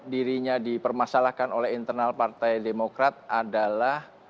dirinya dipermasalahkan oleh internal partai demokrat adalah